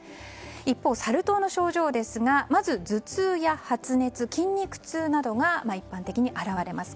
一方、サル痘の症状ですがまず頭痛や発熱、筋肉痛などが一般的に表れます。